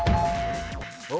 お！